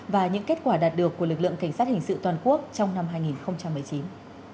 và những kết quả đạt được của lực lượng cảnh sát hình sự toàn quốc trong năm hai nghìn một mươi chín